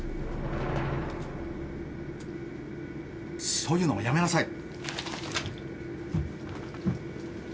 そういうのもやめなさい！